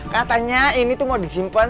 katanya ini tuh mau disimpan